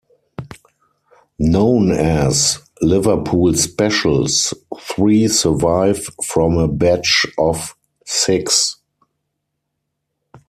Known as "Liverpool Specials", three survive from a batch of six.